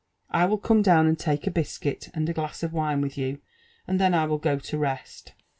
I will come down and take a biscuit and a glass of wine with you, and then I will go to rest."